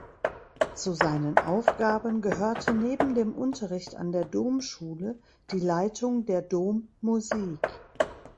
Zu seinen Aufgaben gehörte neben dem Unterricht an der Domschule die Leitung der Dommusik.